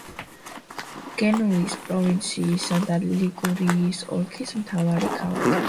გენუის პროვინციისა და ლიგურიის ოლქის მთავარი ქალაქი.